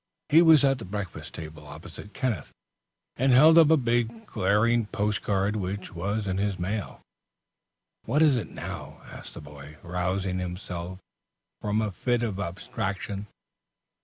He was at the breakfast table opposite Kenneth, and held up a big, glaring post card which was in his mail. "What is it now?" asked the boy, rousing himself from a fit of abstraction.